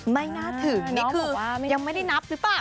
ไม่น่าถึงนี่คือยังไม่ได้นับหรือเปล่า